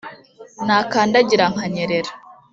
nakandagira nkanyerera